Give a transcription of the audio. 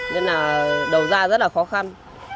nên là đầu ra rất là khó khăn